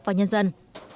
và nhân dân